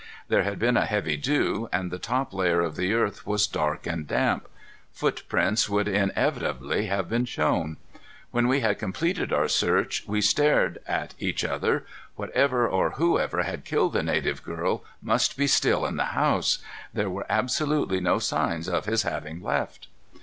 There had been a heavy dew, and the top layer of the earth was dark and damp. Footprints would inevitably have been shown. When we had completed our search, we stared at each other. Whatever or whoever had killed the native girl must be still in the house. There were absolutely no signs of his having left.